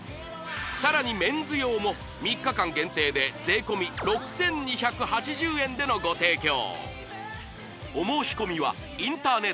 さらにメンズ用も３日間限定で税込６２８０円でのご提供！